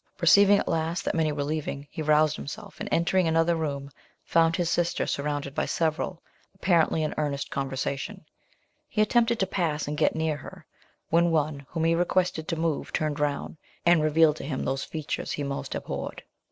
Perceiving, at last, that many were leaving, he roused himself, and entering another room, found his sister surrounded by several, apparently in earnest conversation; he attempted to pass and get near her, when one, whom he requested to move, turned round, and revealed to him those features he most abhorred.